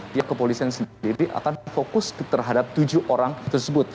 pihak kepolisian sendiri akan fokus terhadap tujuh orang tersebut